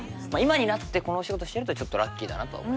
まあ今になってこのお仕事してるとちょっとラッキーだなと。